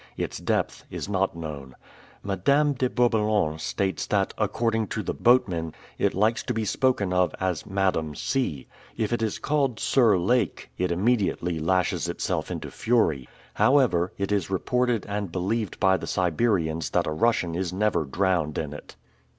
Its depth is not known. Madame de Bourboulon states that, according to the boatmen, it likes to be spoken of as "Madam Sea." If it is called "Sir Lake," it immediately lashes itself into fury. However, it is reported and believed by the Siberians that a Russian is never drowned in it.